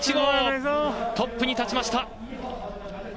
トップに立ちました。